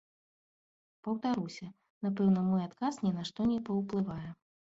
Паўтаруся, напэўна, мой адказ ні на што не паўплывае.